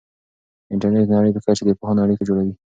انټرنیټ د نړۍ په کچه د پوهانو اړیکه جوړوي.